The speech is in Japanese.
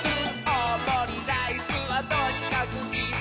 「おおもりライスはとにかくイス！」